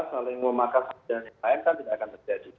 saling memakan yang lain kan tidak akan terjadi